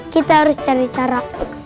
kita harus cari cara